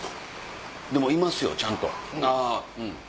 でもいますよちゃんとあぁうん。